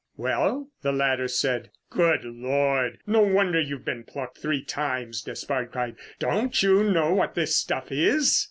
"Well?" the latter said. "Good Lord! no wonder you've been plucked three times!" Despard cried. "Don't you know what this stuff is?"